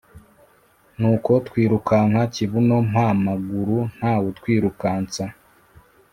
Nuko twirukanka Kibuno mpa amaguru ntawutwirukansa